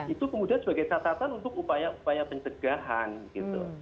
itu kemudian sebagai catatan untuk upaya upaya pencegahan gitu